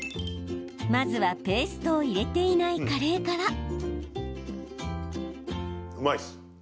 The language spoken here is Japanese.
まずはペーストを入れていないカレーから。